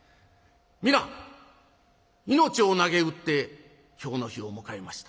皆命をなげうって今日の日を迎えました。